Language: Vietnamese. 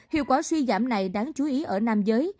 hiệu quả suy giảm này đáng chú ý ở nam giới